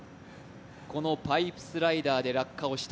このパイプスライダーで落下をした